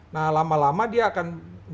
nah lama lama dia akan